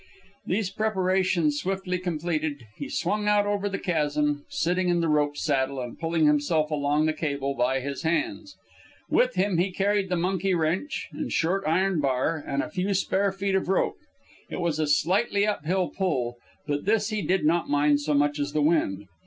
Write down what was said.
These preparations swiftly completed, he swung out over the chasm, sitting in the rope saddle and pulling himself along the cable by his hands. With him he carried the monkey wrench and short iron bar and a few spare feet of rope. It was a slightly up hill pull, but this he did not mind so much as the wind.